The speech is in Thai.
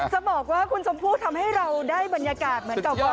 จะบอกว่าคุณชมพู่ทำให้เราได้บรรยากาศเหมือนกับว่า